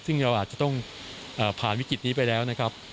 ซึ่งเราอาจจะต้องผ่านวิกฤตนี้ไปแล้วนะครับ